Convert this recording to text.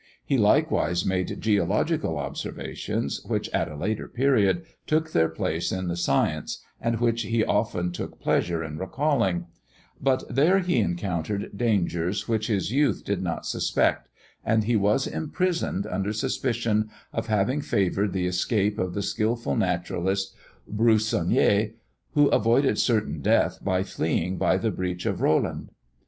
He likewise made geological observations, which, at a later period, took their place in the science, and which he often took pleasure in recalling; but there he encountered dangers which his youth did not suspect, and he was imprisoned under suspicion of having favoured the escape of the skilful naturalist, Broussonnet, who avoided certain death by fleeing by the breach of Rolland.